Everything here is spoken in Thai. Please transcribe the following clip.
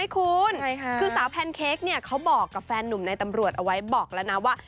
คุณคือสาวแพนเค้กเนี่ยเขาบอกกับแฟนหนุ่มในตำรวจเอาไว้บอกแล้วนะว่า